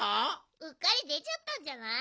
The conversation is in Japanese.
うっかりでちゃったんじゃない？